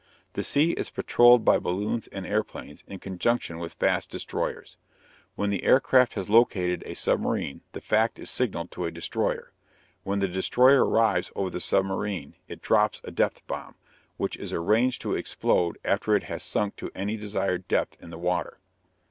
The sea is patrolled by balloons and airplanes in conjunction with fast destroyers. When the aircraft has located a submarine, the fact is signaled to a destroyer. When the destroyer arrives over the submarine, it drops a depth bomb, which is arranged to explode after it has sunk to any desired depth in the water.